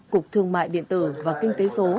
cục thương mại điện tử và kinh tế số